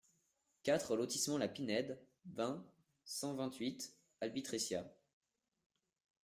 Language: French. quatre lotissement La Pinède, vingt, cent vingt-huit, Albitreccia